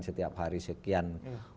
setiap hari sekian